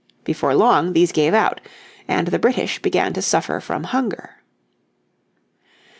Before long these gave out, and the British began to suffer from hunger.